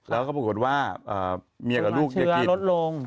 แล้วก็ปรากฏว่าเมียกับลูกอย่ากิน